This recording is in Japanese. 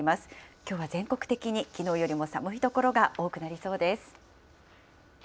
きょうは全国的にきのうよりも寒い所が多くなりそうです。